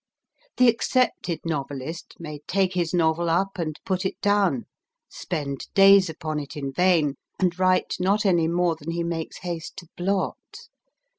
The accepted novelist may take his novel up and put it down, spend days upon it in vain, and write not any more than he makes haste to blot.